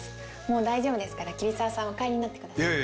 もう大丈夫ですから桐沢さんはお帰りになってください。